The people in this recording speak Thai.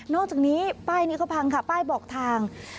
อกจากนี้ป้ายนี้ก็พังค่ะป้ายบอกทาง